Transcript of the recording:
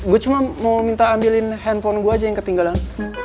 gue cuma mau minta ambilin handphone gue aja yang ketinggalan